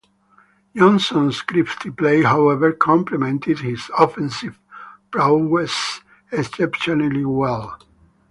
Johnson's gritty play, however, complemented his offensive prowess exceptionally well.